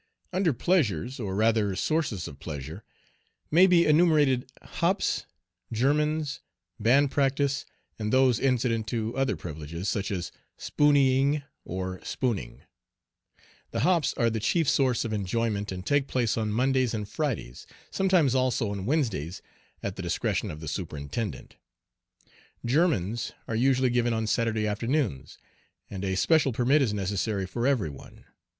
Under pleasures, or rather sources of pleasure, may be enumerated hops, Germans, band practice, and those incident to other privileges, such as "spooneying," or "spooning." The hops are the chief source of enjoyment, and take place on Mondays and Fridays, sometimes also on Wednesdays, at the discretion of the Superintendent. Germans are usually given on Saturday afternoons, and a special permit is necessary for every one.